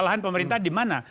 kelemahan pemerintah di mana